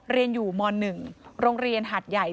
เรียนอยู่ม๑โรงเรียนหาดใหญ่